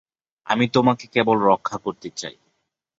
আমি তোমাকে কেবল রক্ষা করতে চাই।